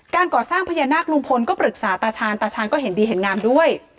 ก่อสร้างพญานาคลุงพลก็ปรึกษาตาชาญตาชาญก็เห็นดีเห็นงามด้วย